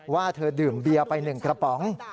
ว่าเธอดื่มเบียร์ไป๑กระป๋อง